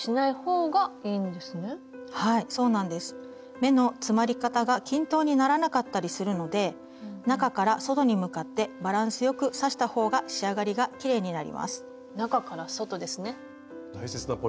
目の詰まり方が均等にならなかったりするので中から外に向かってバランスよく刺したほうが仕上がりがきれいになります。